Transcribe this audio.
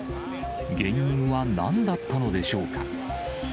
原因はなんだったのでしょうか。